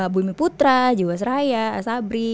bumi putra jiwa seraya asabri